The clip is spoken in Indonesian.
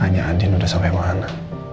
tanya andien udah sampai mana